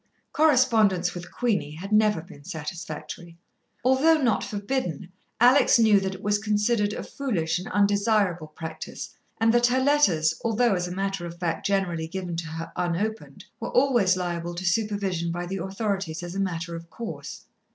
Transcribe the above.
Correspondence with Queenie had never been satisfactory. Although not forbidden, Alex knew that it was considered a foolish and undesirable practice, and that her letters, although, as a matter of fact, generally given to her unopened, were always liable to supervision by the authorities as a matter of course.